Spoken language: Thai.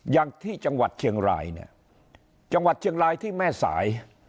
อย่างที่จังหวัดเชียงรายเนี่ยจังหวัดเชียงรายที่แม่สาย